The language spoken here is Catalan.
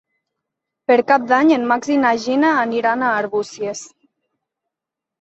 Per Cap d'Any en Max i na Gina aniran a Arbúcies.